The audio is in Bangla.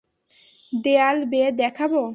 দেয়াল বেয়ে দেখাবো?